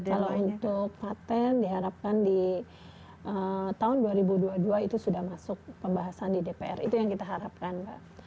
kalau untuk patent diharapkan di tahun dua ribu dua puluh dua itu sudah masuk pembahasan di dpr itu yang kita harapkan mbak